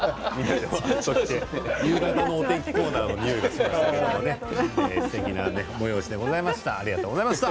笑い声夕方のお天気コーナーのにおいがしましたけれどすてきな催しでした。